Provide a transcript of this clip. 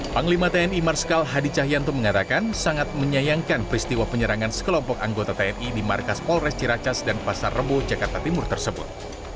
panglima tni marskal hadi cahyanto mengatakan sangat menyayangkan peristiwa penyerangan sekelompok anggota tni di markas polres ciracas dan pasar rebo jakarta timur tersebut